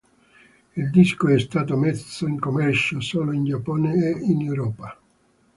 Il disco è stato messo in commercio solo in Giappone e in Europa.